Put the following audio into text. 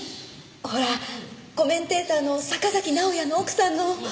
ほらコメンテーターの坂崎直哉の奥さんの。